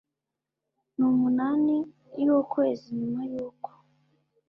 N umunani y ukwezi nyuma y uko